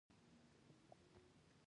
خلک باید ونې وکري.